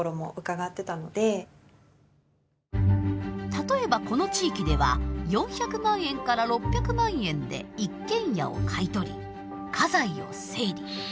例えばこの地域では４００万円から６００万円で一軒家を買い取り家財を整理。